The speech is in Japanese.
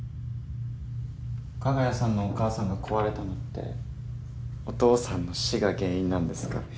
加賀谷さんのお母さんが壊れたのってお父さんの死が原因なんですか？